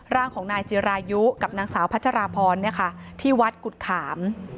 ร่างของนายจิรายุกับนางสาวพัชราพรที่วัดกุฎขาม